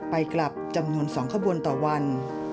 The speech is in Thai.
ไปกลับจำนวน๒ขบวนต่อวัน